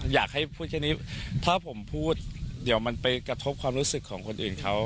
อยากให้พูดแค่นี้ถ้าผมพูดเดี๋ยวมันไปกระทบความรู้สึกของคนอื่นเขา